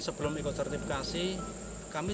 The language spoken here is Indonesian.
sebelum ikut sertifikasi kami